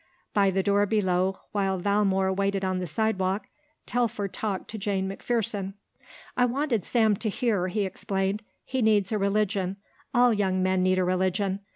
By the door below, while Valmore waited on the sidewalk, Telfer talked to Jane McPherson. "I wanted Sam to hear," he explained. "He needs a religion. All young men need a religion.